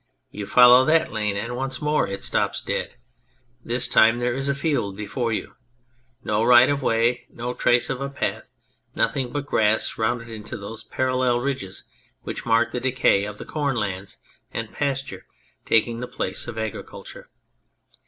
You follow that lane, and once more it stops dead. This time there is a field before you. No right of way, no trace of a path, nothing but grass rounded into those parallel ridges which mark the decay of the corn lands and pasture taking the place of agriculture.